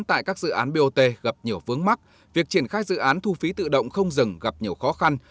tại các dự án bot gặp nhiều vướng mắt việc triển khai dự án thu phí tự động không dừng gặp nhiều khó khăn